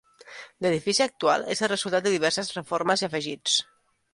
L'edifici actual és el resultat de diverses reformes i afegits.